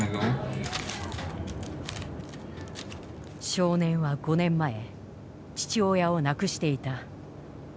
少年は５年前父親を亡くしていた。